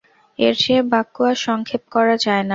এর চেয়ে বাক্য আর সংক্ষেপ করা যায় না।